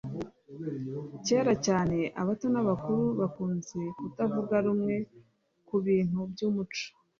Kera cyane abato n’ abakuru bakunze kutavuga rumwe ku bintu by’umuco